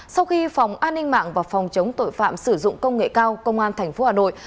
sau khi phòng an ninh mạng và phòng chống tội phạm sử dụng công nghệ cao công an tp hà nội